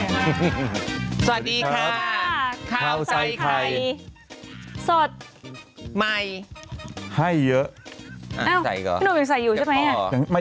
ยังใส่เหรอแต่พออะพี่หนุ่มยังใส่อยู่ใช่มั้ย